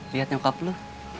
lihatnya bokap lu